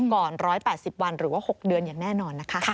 ๑๘๐วันหรือว่า๖เดือนอย่างแน่นอนนะคะ